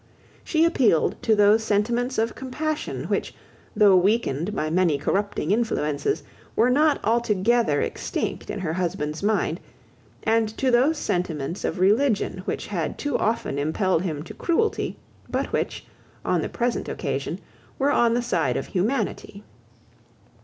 She appealed to those sentiments of compassion which, though weakened by many corrupting influences, were not altogether extinct in her husband's mind, and to those sentiments of religion which had too often impelled him to cruelty, but which, on the present occasion, were on the side of humanity.